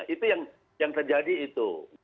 itu yang terjadi itu